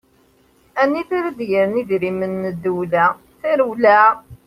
Anida ara d-gren idrimen n ddewla, tarewla!